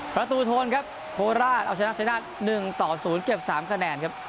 ประตูโทนครับโฮราชเอาชัยนาธ์ชัยนาธ์๑ต่อ๐เกือบ๓คะแนนครับ